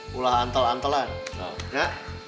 pulah antel antelan ya